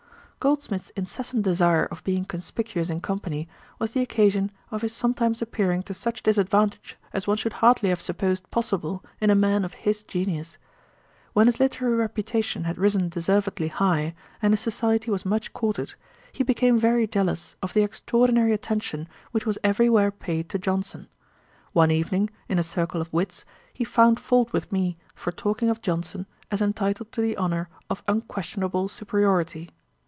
Goldsmith's incessant desire of being conspicuous in company, was the occasion of his sometimes appearing to such disadvantage as one should hardly have supposed possible in a man of his genius. When his literary reputation had risen deservedly high, and his society was much courted, he became very jealous of the extraordinary attention which was every where paid to Johnson. One evening, in a circle of wits, he found fault with me for talking of Johnson as entitled to the honour of unquestionable superiority.